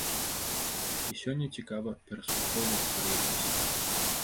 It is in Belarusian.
І сёння цікава пераслухоўваць старыя песні.